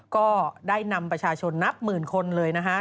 ก็ได้นำประชาชนนับหมื่นคนเลยนะฮะ